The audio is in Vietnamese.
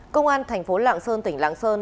công an tp lạng sơn tỉnh lạng sơn